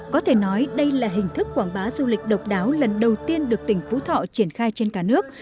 có thể nói đây là hình thức quảng bá du lịch độc đáo lần đầu tiên được tỉnh phú thọ triển khai trên cả nước